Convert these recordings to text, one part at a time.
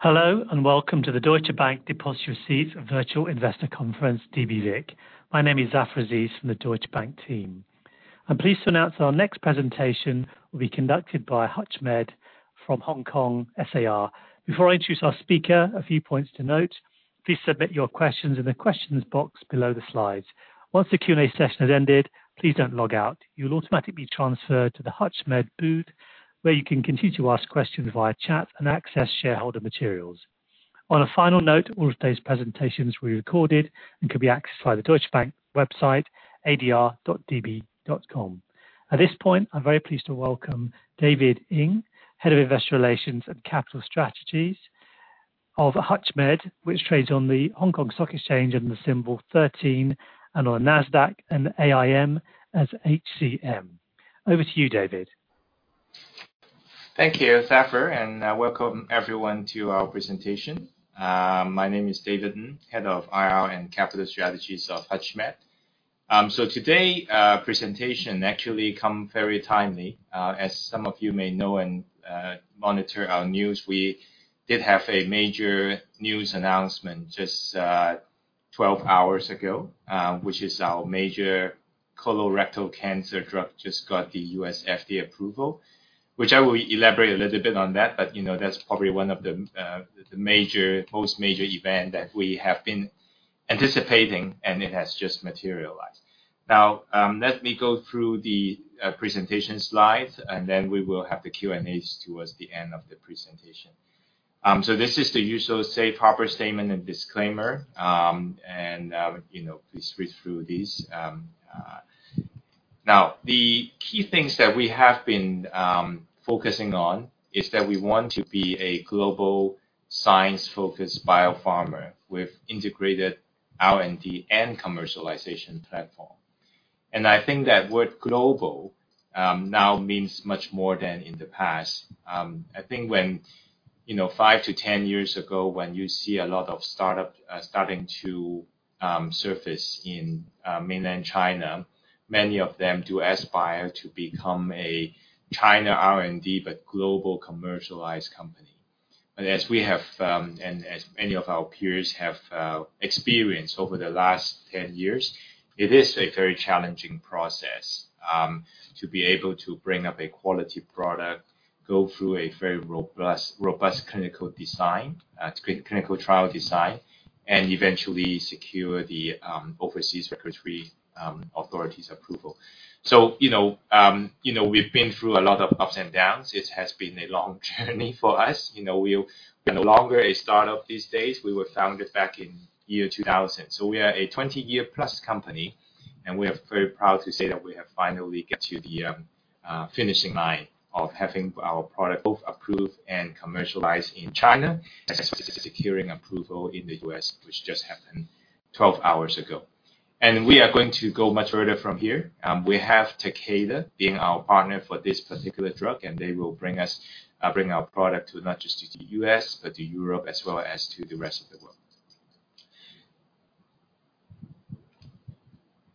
Hello, and welcome to the Deutsche Bank Depositary Receipts Virtual Investor Conference, dbVIC. My name is Zafar Aziz from the Deutsche Bank team. I'm pleased to announce our next presentation will be conducted by HUTCHMED from Hong Kong SAR. Before I introduce our speaker, a few points to note: please submit your questions in the questions box below the slides. Once the Q&A session has ended, please don't log out. You'll automatically be transferred to the HUTCHMED booth, where you can continue to ask questions via chat and access shareholder materials. On a final note, all of today's presentations were recorded and can be accessed via the Deutsche Bank website, adr.db.com. At this point, I'm very pleased to welcome David Ng, Head of Investor Relations and Capital Strategies of HUTCHMED, which trades on the Hong Kong Stock Exchange and the symbol 13, and on Nasdaq and AIM as HCM. Over to you, David. Thank you, Zafar, and welcome everyone to our presentation. My name is David Ng, Head of IR and Capital Strategies of HUTCHMED. So today, presentation actually come very timely. As some of you may know and monitor our news, we did have a major news announcement just 12 hours ago, which is our major colorectal cancer drug, just got the U.S. FDA approval, which I will elaborate a little bit on that, but you know, that's probably one of the the major- most major event that we have been anticipating, and it has just materialized. Now, let me go through the presentation slides, and then we will have the Q&A towards the end of the presentation. So this is the usual safe harbor statement and disclaimer, and you know, please read through these. Now, the key things that we have been focusing on is that we want to be a global, science-focused biopharma with integrated R&D and commercialization platform. I think that word global now means much more than in the past. I think when, you know, five to 10 years ago, when you see a lot of startup starting to surface in mainland China, many of them do aspire to become a China R&D, but global commercialized company. But as we have and as many of our peers have experienced over the last 10 years, it is a very challenging process to be able to bring up a quality product, go through a very robust, robust clinical design, clinical trial design, and eventually secure the overseas regulatory authorities approval. So, you know, you know, we've been through a lot of ups and downs. It has been a long journey for us. You know, we're no longer a startup these days. We were founded back in year 2000. So we are a 20-year plus company, and we are very proud to say that we have finally get to the, finishing line of having our product both approved and commercialized in China, as well as securing approval in the U.S., which just happened 12 hours ago. And we are going to go much further from here. We have Takeda being our partner for this particular drug, and they will bring us, bring our product to not just to the U.S., but to Europe as well as to the rest of the world.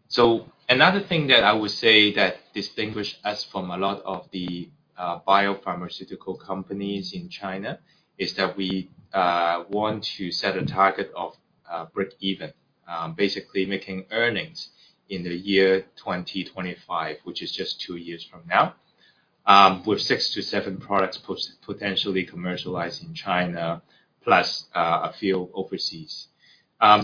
So another thing that I would say that distinguish us from a lot of the biopharmaceutical companies in China is that we want to set a target of breakeven basically making earnings in the year 2025, which is just two years from now, with six to seven products potentially commercialized in China, plus a few overseas.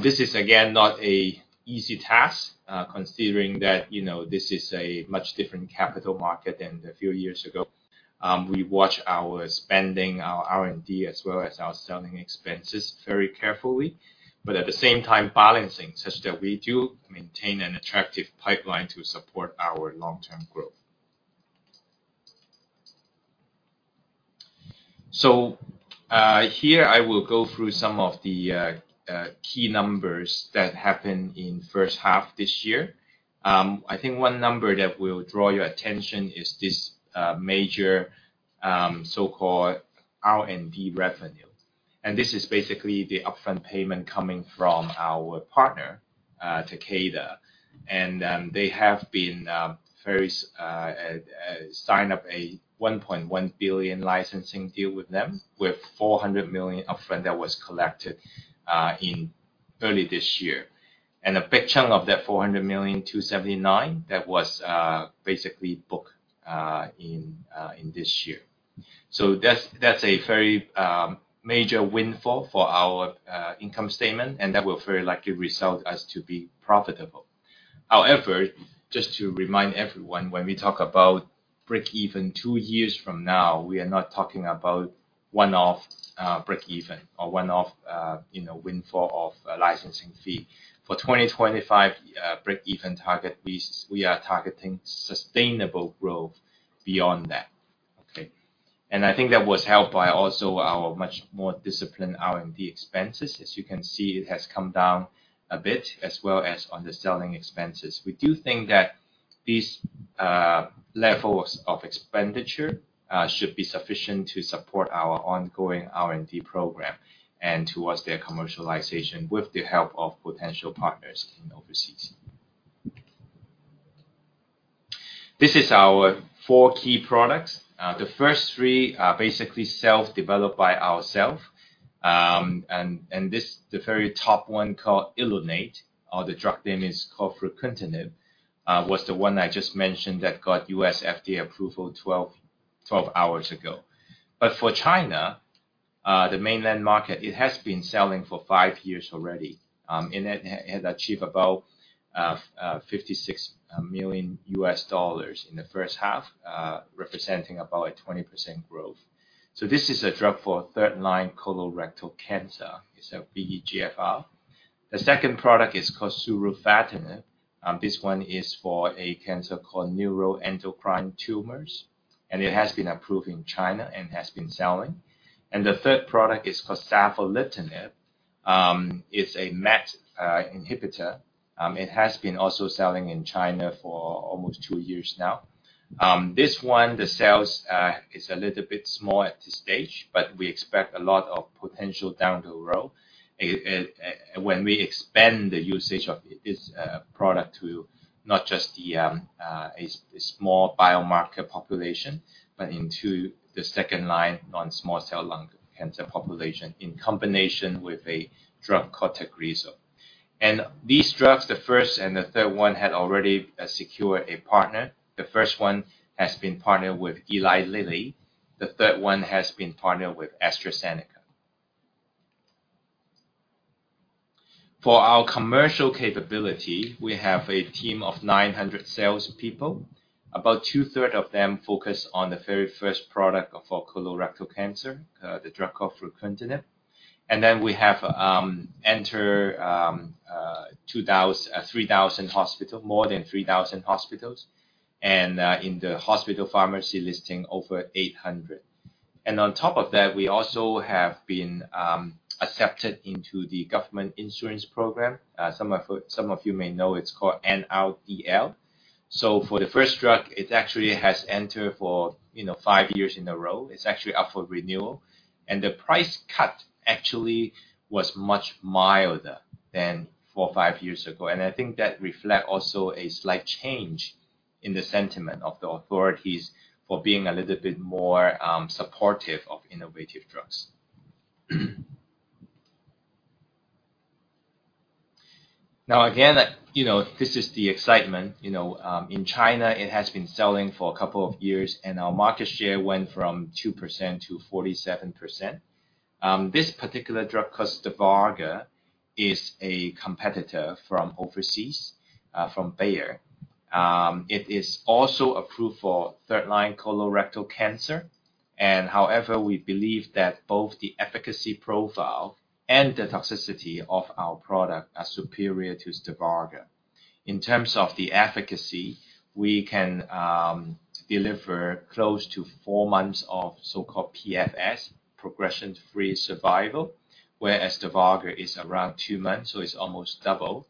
This is, again, not an easy task considering that, you know, this is a much different capital market than a few years ago. We watch our spending, our R&D, as well as our selling expenses very carefully, but at the same time balancing such that we do maintain an attractive pipeline to support our long-term growth. So here I will go through some of the key numbers that happened in first half this year. I think one number that will draw your attention is this, major, so-called R&D revenue. And this is basically the upfront payment coming from our partner, Takeda. And, they have been, very, sign up a $1.1 billion licensing deal with them, with $400 million upfront that was collected, in early this year. And a big chunk of that $400 million, $279, that was, basically booked, in, in this year. So that's, that's a very, major windfall for our, income statement, and that will very likely result as to be profitable. However, just to remind everyone, when we talk about breakeven two years from now, we are not talking about one-off, breakeven or one-off, you know, windfall of a licensing fee. For 2025, breakeven target, we are targeting sustainable growth beyond that. Okay? And I think that was helped by also our much more disciplined R&D expenses. As you can see, it has come down a bit, as well as on the selling expenses. We do think that these levels of expenditure should be sufficient to support our ongoing R&D program and towards their commercialization with the help of potential partners in overseas. This is our four key products. The first three are basically self-developed by ourself. And this, the very top one called ELUNATE, or the drug name is called fruquintinib, was the one I just mentioned that got U.S. FDA approval 12 hours ago. But for China, the mainland market, it has been selling for five years already, and it has achieved about $56 million in the first half, representing about 20% growth. So this is a drug for third line colorectal cancer. It's a VEGF-R. The second product is called surufatinib, and this one is for a cancer called neuroendocrine tumors, and it has been approved in China and has been selling. And the third product is called savolitinib. It's a MET inhibitor. It has been also selling in China for almost two years now. This one, the sales, is a little bit small at this stage, but we expect a lot of potential down the road. When we expand the usage of this product to not just the a small biomarker population, but into the second-line, non-small cell lung cancer population, in combination with a drug called TAGRISSO. And these drugs, the first and the third one, had already secured a partner. The first one has been partnered with Eli Lilly. The third one has been partnered with AstraZeneca. For our commercial capability, we have a team of 900 salespeople. About two-thirds of them focus on the very first product for colorectal cancer, the drug called fruquintinib. And then we have entered 2,300 hospitals, more than 3,000 hospitals, and in the hospital pharmacy listing over 800. And on top of that, we also have been accepted into the government insurance program. Some of you, some of you may know, it's called NRDL. So for the first drug, it actually has entered for, you know, five years in a row. It's actually up for renewal, and the price cut actually was much milder than four or five years ago. And I think that reflect also a slight change in the sentiment of the authorities for being a little bit more, supportive of innovative drugs. Now, again, you know, this is the excitement. You know, in China, it has been selling for a couple of years, and our market share went from 2% to 47%. This particular drug, called Stivarga, is a competitor from overseas, from Bayer. It is also approved for third-line colorectal cancer. And however, we believe that both the efficacy profile and the toxicity of our product are superior to Stivarga. In terms of the efficacy, we can deliver close to four months of so-called PFS, progression-free survival, whereas Stivarga is around two months, so it's almost double.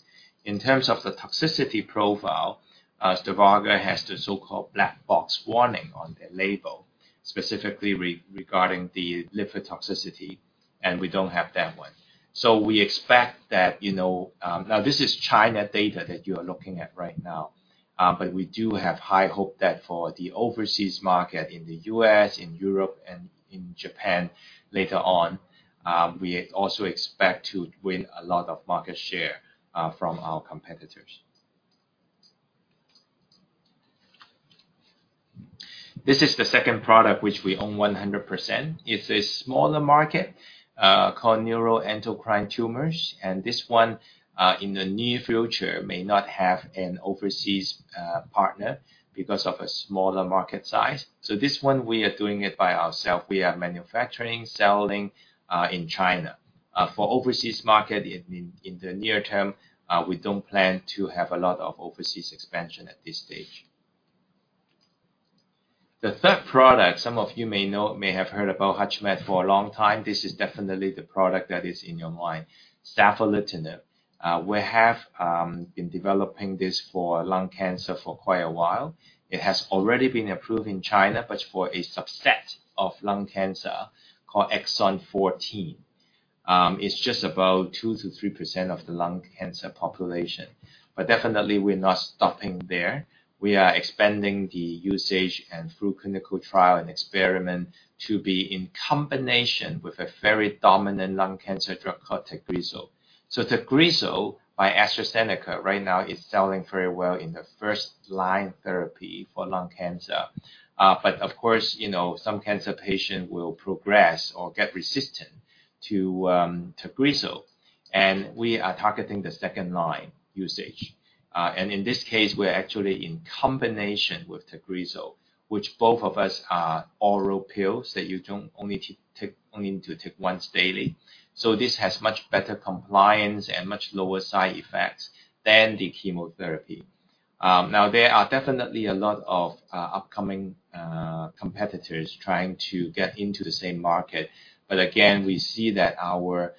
In terms of the toxicity profile, Stivarga has the so-called black box warning on the label, specifically regarding the liver toxicity, and we don't have that one. So we expect that, you know... Now, this is China data that you are looking at right now, but we do have high hope that for the overseas market, in the U.S., in Europe, and in Japan, later on, we also expect to win a lot of market share from our competitors. This is the second product, which we own 100%. It's a smaller market, called neuroendocrine tumors, and this one, in the near future, may not have an overseas partner because of a smaller market size. So this one, we are doing it by ourself. We are manufacturing, selling, in China. For overseas market, in the near term, we don't plan to have a lot of overseas expansion at this stage. The third product, some of you may know, may have heard about HUTCHMED for a long time, this is definitely the product that is in your mind, savolitinib. We have been developing this for lung cancer for quite a while. It has already been approved in China, but for a subset of lung cancer called Exon 14. It's just about 2%-3% of the lung cancer population, but definitely we're not stopping there. We are expanding the usage and through clinical trial and experiment, to be in combination with a very dominant lung cancer drug called TAGRISSO. So TAGRISSO, by AstraZeneca, right now is selling very well in the first line therapy for lung cancer. But of course, you know, some cancer patient will progress or get resistant to TAGRISSO, and we are targeting the second line usage. And in this case, we're actually in combination with TAGRISSO, which both of us are oral pills that you don't only take, only need to take once daily. So this has much better compliance and much lower side effects than the chemotherapy. Now, there are definitely a lot of upcoming competitors trying to get into the same market. But again, we see that our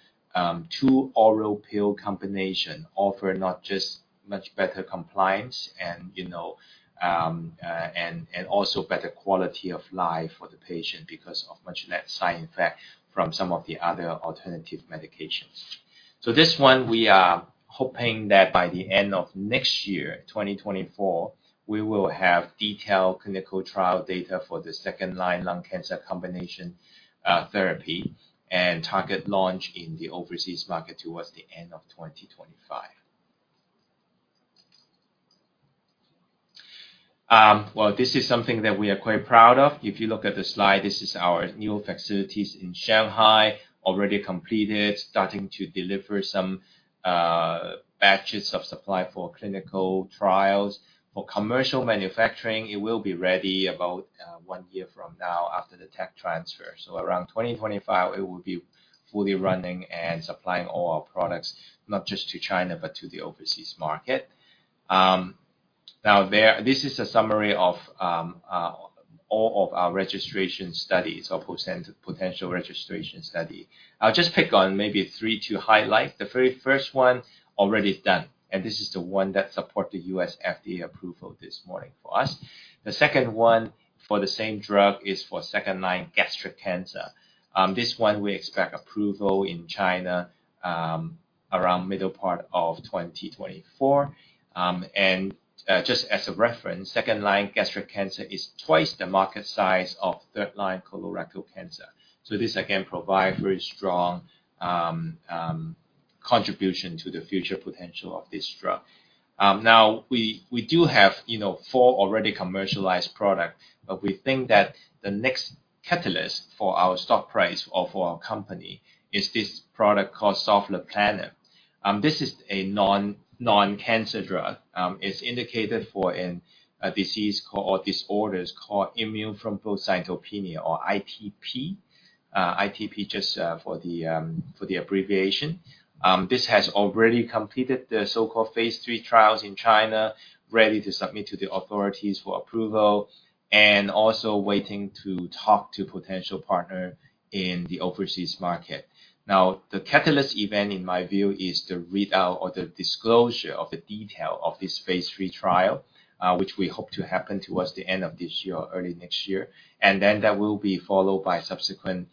two oral pill combination offer not just much better compliance and, you know, and also better quality of life for the patient because of much less side effects from some of the other alternative medications. So this one, we are hoping that by the end of next year, 2024, we will have detailed clinical trial data for the second-line lung cancer combination therapy, and target launch in the overseas market towards the end of 2025. Well, this is something that we are quite proud of. If you look at the slide, this is our new facilities in Shanghai, already completed, starting to deliver some batches of supply for clinical trials. For commercial manufacturing, it will be ready about one year from now after the tech transfer. So around 2025, it will be fully running and supplying all our products, not just to China, but to the overseas market. Now, this is a summary of all of our registration studies or potential registration study. I'll just pick on maybe three to highlight. The very first one, already done, and this is the one that support the U.S. FDA approval this morning for us. The second one, for the same drug, is for second-line gastric cancer. This one we expect approval in China around middle part of 2024. And, just as a reference, second-line gastric cancer is twice the market size of third-line colorectal cancer. So this, again, provide very strong contribution to the future potential of this drug. Now we do have, you know, four already commercialized product, but we think that the next catalyst for our stock price or for our company is this product called sovleplenib. This is a non-cancer drug. It's indicated for a disease called, or disorders called immune thrombocytopenia or ITP. ITP, just for the abbreviation. This has already completed the so-called phase III trials in China, ready to submit to the authorities for approval and also waiting to talk to potential partner in the overseas market. Now, the catalyst event, in my view, is the readout or the disclosure of the detail of this phase III trial, which we hope to happen towards the end of this year or early next year, and then that will be followed by subsequent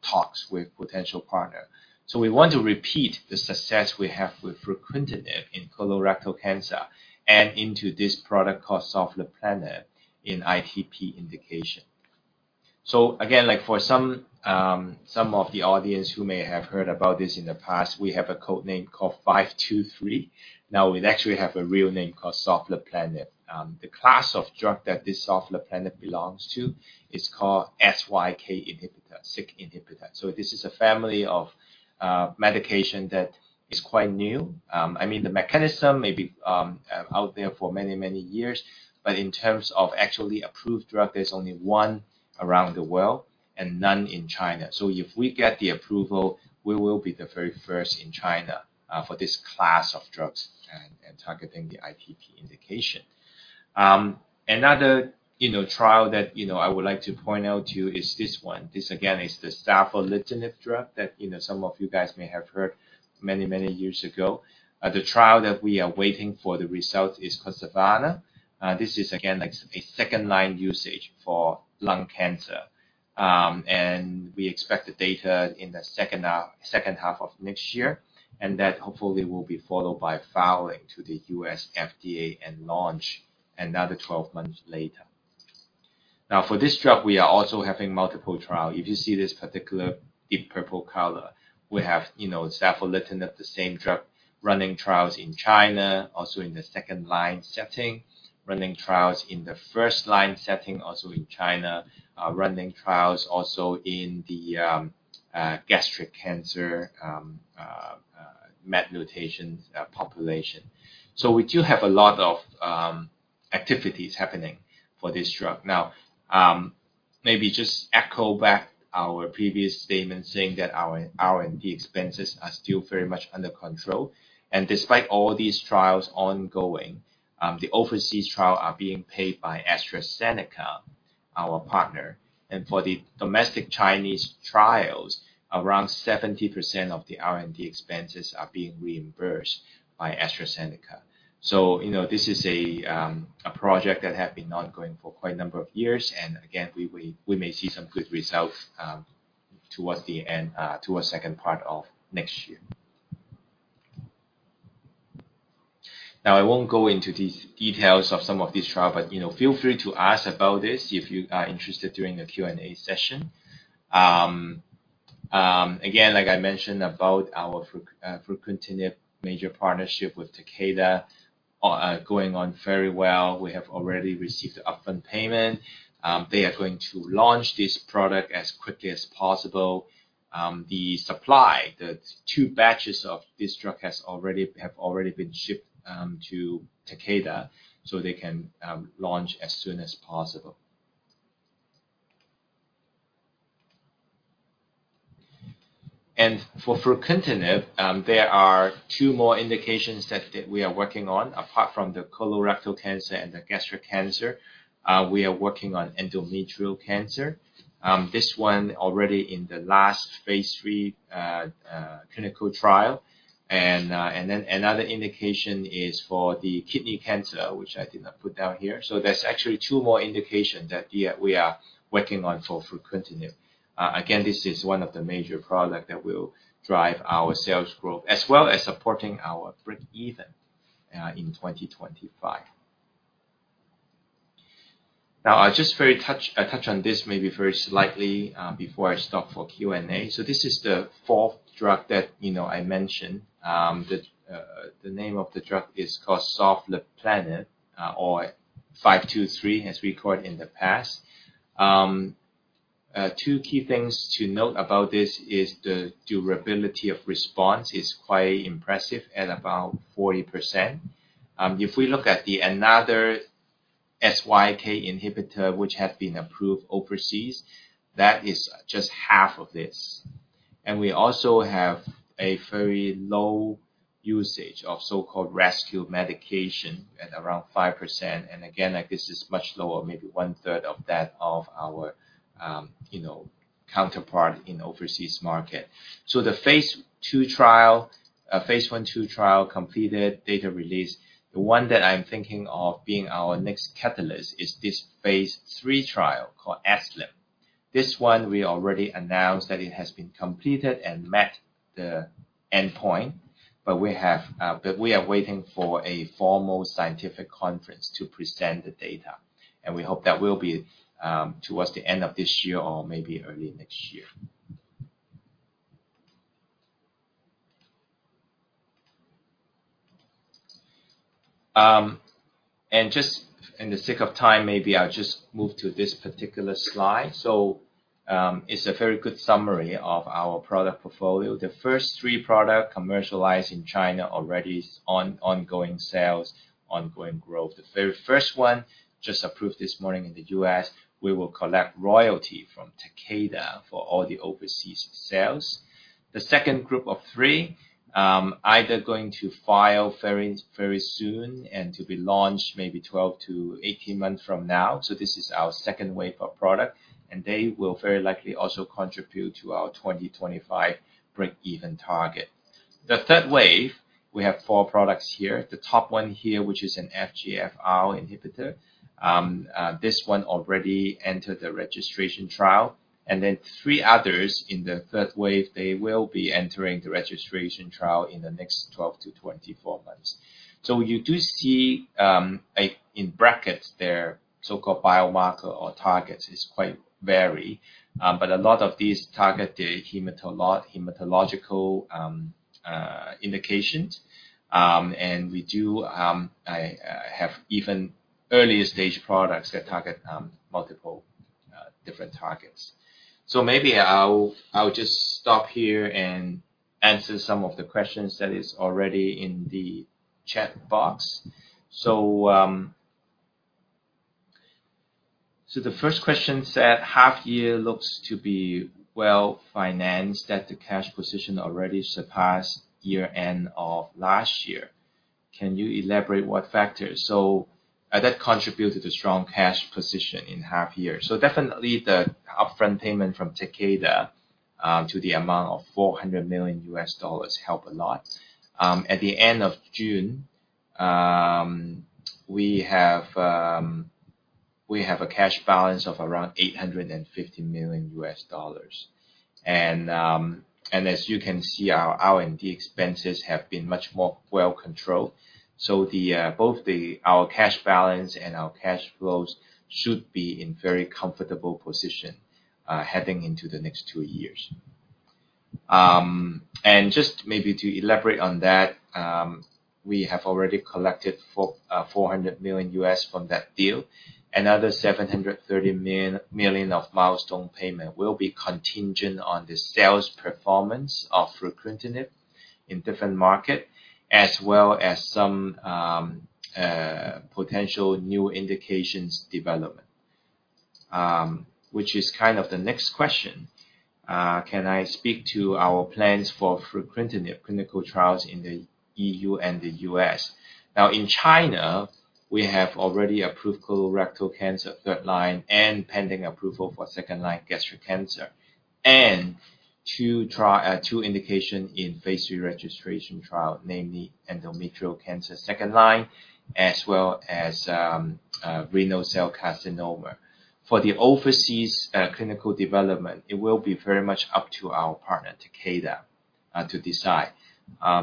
talks with potential partner. We want to repeat the success we have with fruquintinib in colorectal cancer and into this product called sovleplenib in ITP indication. Again, like for some, some of the audience who may have heard about this in the past, we have a code name called HMPL-523. Now it actually have a real name called sovleplenib. The class of drug that this sovleplenib belongs to is called SYK inhibitor, SYK inhibitor. This is a family of medication that is quite new. I mean, the mechanism may be out there for many, many years, but in terms of actually approved drug, there's only one around the world and none in China. If we get the approval, we will be the very first in China for this class of drugs and, and targeting the ITP indication. Another, you know, trial that, you know, I would like to point out to you is this one. This, again, is the savolitinib drug that, you know, some of you guys may have heard many, many years ago. The trial that we are waiting for the result is SAVANNAH. This is again, like a second-line usage for lung cancer. And we expect the data in the second half, second half of next year, and that hopefully will be followed by filing to the U.S. FDA and launch another 12 months later. Now, for this drug, we are also having multiple trial. If you see this particular deep purple color, we have, you know, savolitinib, the same drug, running trials in China, also in the second-line setting, running trials in the first-line setting, also in China, running trials also in the gastric cancer MET mutation population. So we do have a lot of activities happening for this drug. Now, maybe just echo back our previous statement saying that our R&D expenses are still very much under control. And despite all these trials ongoing, the overseas trial are being paid by AstraZeneca, our partner. And for the domestic Chinese trials, around 70% of the R&D expenses are being reimbursed by AstraZeneca. So, you know, this is a, a project that have been ongoing for quite a number of years, and again, we may see some good results, towards the end, towards second part of next year. Now, I won't go into these details of some of these trial, but, you know, feel free to ask about this if you are interested during the Q&A session. Again, like I mentioned, about our fruquintinib major partnership with Takeda, going on very well. We have already received the upfront payment. They are going to launch this product as quickly as possible. The supply, the two batches of this drug have already been shipped, to Takeda, so they can launch as soon as possible. For fruquintinib, there are two more indications that we are working on apart from the colorectal cancer and the gastric cancer. We are working on endometrial cancer. This one already in the last phase III clinical trial. Then another indication is for the kidney cancer, which I did not put down here. So there's actually two more indication that we are working on for fruquintinib. Again, this is one of the major product that will drive our sales growth, as well as supporting our breakeven in 2025. Now, I just very touch on this maybe very slightly before I stop for Q&A. So this is the fourth drug that, you know, I mentioned. The name of the drug is called sovleplenib, or HPML-523, as we called in the past. Two key things to note about this is the durability of response is quite impressive at about 40%. If we look at another SYK inhibitor, which has been approved overseas, that is just half of this. And we also have a very low usage of so-called rescue medication at around 5%. And again, like, this is much lower, maybe one-third of that of our, you know, counterpart in overseas market. So the phase II trial, phase I, II trial completed, data release. The one that I'm thinking of being our next catalyst is this phase three trial called ESLIM. This one we already announced that it has been completed and met the endpoint, but we have, but we are waiting for a formal scientific conference to present the data, and we hope that will be, towards the end of this year or maybe early next year. Just in the sake of time, maybe I'll just move to this particular slide. It's a very good summary of our product portfolio. The first three product commercialized in China, already ongoing sales, ongoing growth. The very first one, just approved this morning in the U.S., we will collect royalty from Takeda for all the overseas sales. The second group of three, either going to file very, very soon and to be launched maybe 12-18 months from now. So this is our second wave of product, and they will very likely also contribute to our 2025 break-even target. The third wave, we have four products here. The top one here, which is an FGFR inhibitor. This one already entered the registration trial, and then three others in the third wave, they will be entering the registration trial in the next 12-24 months. So you do see, a, in brackets there, so-called biomarker or targets is quite vary, but a lot of these target the hematological indications. And we do have even earlier stage products that target multiple different targets. So maybe I'll just stop here and answer some of the questions that is already in the chat box. So, the first question said: Half year looks to be well-financed, that the cash position already surpassed year-end of last year. Can you elaborate what factors? So that contributed a strong cash position in half year. So definitely the upfront payment from Takeda to the amount of $400 million helped a lot. At the end of June, we have a cash balance of around $850 million. And as you can see, our R&D expenses have been much more well controlled, so both our cash balance and our cash flows should be in very comfortable position heading into the next two years. And just maybe to elaborate on that, we have already collected $400 million from that deal. Another $730 million of milestone payment will be contingent on the sales performance of fruquintinib in different market, as well as some potential new indications development. Which is kind of the next question. Can I speak to our plans for fruquintinib clinical trials in the EU and the U.S.? Now, in China, we have already approved colorectal cancer third line and pending approval for second-line gastric cancer, and II trial, two indication in phase III registration trial, namely endometrial cancer second line, as well as renal cell carcinoma. For the overseas clinical development, it will be very much up to our partner, Takeda, to decide,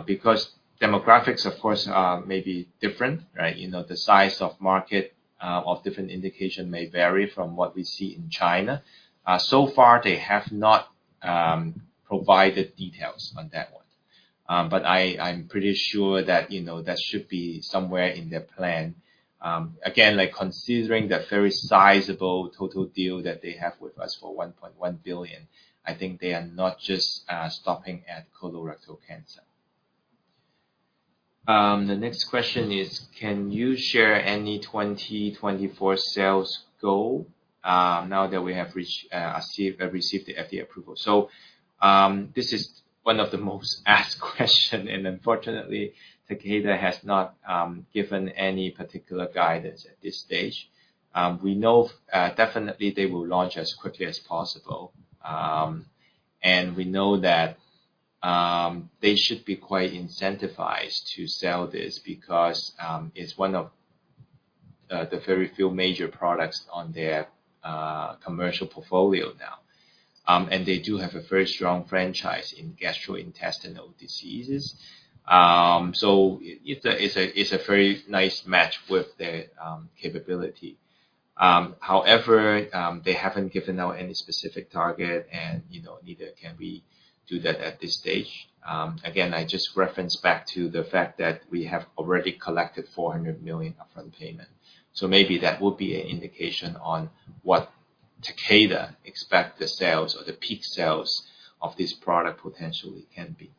because demographics, of course, may be different, right? You know, the size of market, of different indication may vary from what we see in China. So far, they have not provided details on that one. But I'm pretty sure that, you know, that should be somewhere in their plan. Again, like considering the very sizable total deal that they have with us for $1.1 billion, I think they are not just stopping at colorectal cancer. The next question is: Can you share any 2024 sales goal, now that we have received the FDA approval? This is one of the most asked questions, and unfortunately, Takeda has not given any particular guidance at this stage. We know definitely they will launch as quickly as possible. And we know that they should be quite incentivized to sell this because it's one of the very few major products on their commercial portfolio now. And they do have a very strong franchise in gastrointestinal diseases. So it's a very nice match with their capability. However, they haven't given out any specific target, and, you know, neither can we do that at this stage. Again, I just reference back to the fact that we have already collected $400 million upfront payment. So maybe that will be an indication on what Takeda expect the sales or the peak sales of this product potentially can be.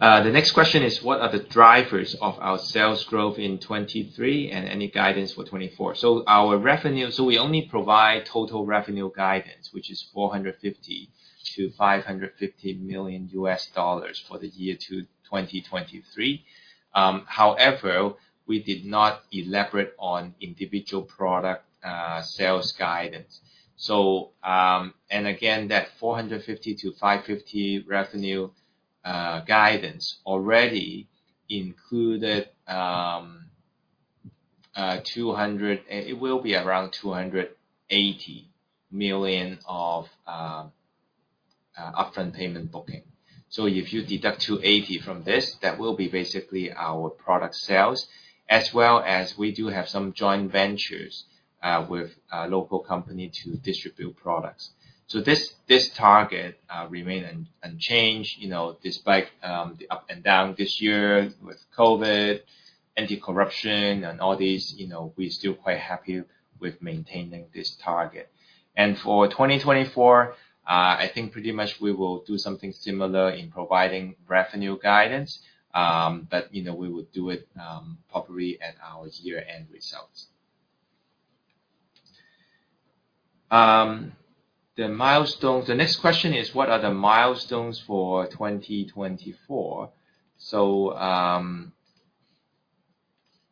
The next question is, "What are the drivers of our sales growth in 2023 and any guidance for 2024?" So we only provide total revenue guidance, which is $450 million-$550 million for the year to 2023. However, we did not elaborate on individual product sales guidance. So, and again, that $450 million-$550 million revenue guidance already included... It will be around $280 million of upfront payment booking. So if you deduct $280 million from this, that will be basically our product sales, as well as we do have some joint ventures with a local company to distribute products. So this target remain unchanged, you know, despite the up and down this year with COVID, anti-corruption and all this, you know, we're still quite happy with maintaining this target. And for 2024, I think pretty much we will do something similar in providing revenue guidance. But, you know, we would do it probably at our year-end results. The milestones. The next question is, "What are the milestones for 2024? So,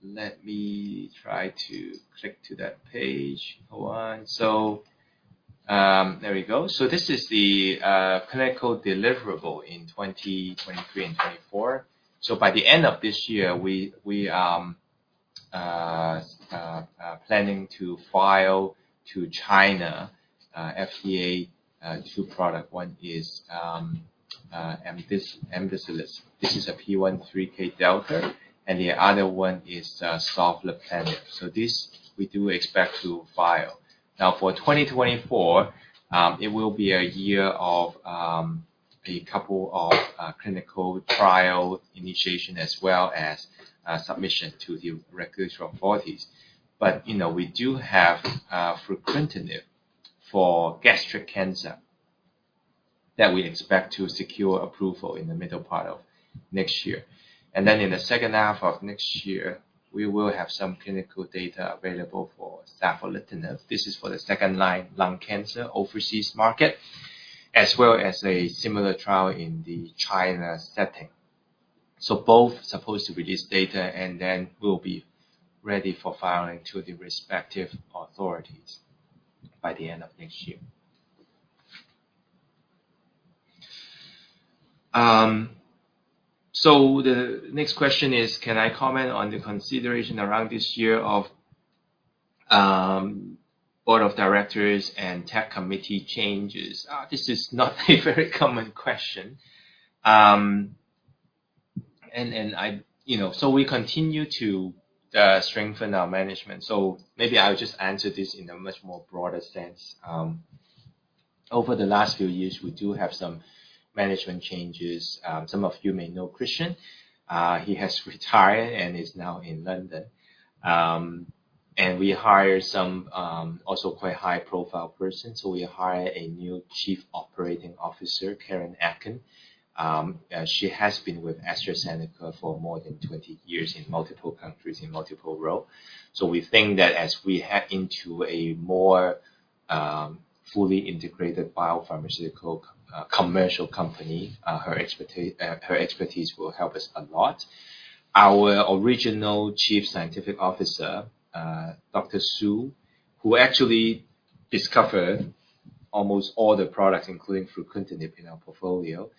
let me try to click to that page. Hold on. So, there we go. So this is the, clinical deliverable in 2023 and 2024. So by the end of this year, we planning to file to China FDA two product. One is, Umbralisib. This is a PI3K delta, and the other one is, savolitinib. So this, we do expect to file. Now, for 2024, it will be a year of, a couple of, clinical trial initiation, as well as a submission to the regulatory authorities. But, you know, we do have, fruquintinib for gastric cancer that we expect to secure approval in the middle part of next year. Then in the second half of next year, we will have some clinical data available for savolitinib. This is for the second-line lung cancer overseas market, as well as a similar trial in the China setting. Both supposed to release data and then will be ready for filing to the respective authorities by the end of next year. The next question is, can I comment on the consideration around this year of board of directors and tech committee changes? This is not a very common question. And you know, so we continue to strengthen our management. Maybe I'll just answer this in a much more broader sense. Over the last few years, we do have some management changes. Some of you may know Christian. He has retired and is now in London. We hired some also quite high-profile person. So we hired a new Chief Operating Officer, Karen Atkin. She has been with AstraZeneca for more than 20 years in multiple countries, in multiple role. So we think that as we head into a more fully integrated biopharmaceutical commercial company, her expertise will help us a lot. Our original Chief Scientific Officer, Dr. Su, who actually discovered almost all the products, including fruquintinib, in our portfolio,